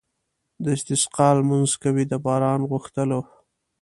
د استسقا لمونځ کوي د باران غوښتلو.